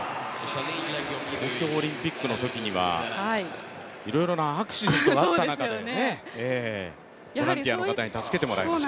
東京オリンピックのときには、いろいろなアクシデントがあった中でボランティアの方に助けていただきました。